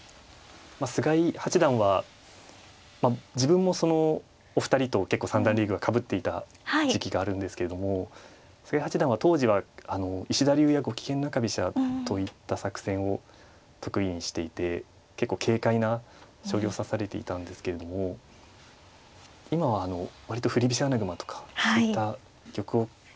菅井八段は自分もそのお二人と結構三段リーグはかぶっていた時期があるんですけども菅井八段は当時は石田流やゴキゲン中飛車といった作戦を得意にしていて結構軽快な将棋を指されていたんですけれども今は割と振り飛車穴熊とかそういった玉を固める将棋が。